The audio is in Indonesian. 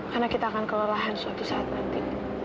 karena kita akan kelelahan suatu saat nanti